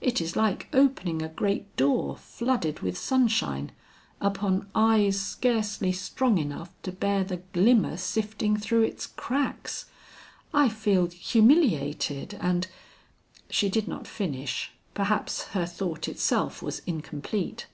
"It is like opening a great door flooded with sunshine, upon eyes scarcely strong enough to bear the glimmer sifting through its cracks. I feel humiliated and " She did not finish, perhaps her thought itself was incomplete.